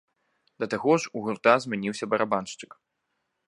Да таго ж у гурта змяніўся барабаншчык.